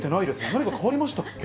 何か変わりましたっけ？